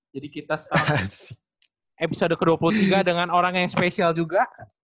jadi kita sekarang episode ke dua puluh tiga dengan orang yang spesial juga